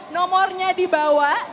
nomornya di bawah